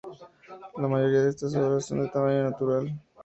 La mayoría de estas obras son de tamaño natural.